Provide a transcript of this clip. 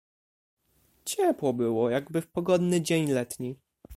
"Ciepło było, jakby w pogodny dzień letni."